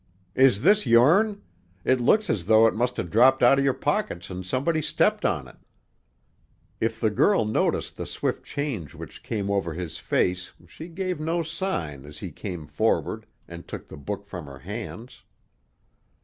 "Is this yourn? It looks as though it must have dropped out of your pocket an' somebody stepped on it." If the girl noted the swift change which came over his face she gave no sign as he came forward and took the book from her hands.